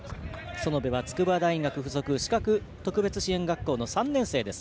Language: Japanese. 園部は筑波大学付属視覚特別支援学校の３年生です。